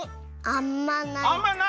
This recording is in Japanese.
あんまない？